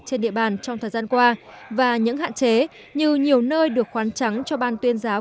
trên địa bàn trong thời gian qua và những hạn chế như nhiều nơi được khoán trắng cho ban tuyên giáo